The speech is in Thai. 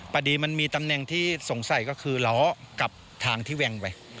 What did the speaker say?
พอดีมันมีตำแหน่งที่สงสัยก็คือล้อกับทางที่แวงไป